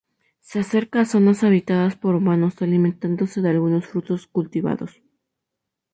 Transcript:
Se acerca a zonas habitadas por humanos, alimentándose de algunos frutos cultivados.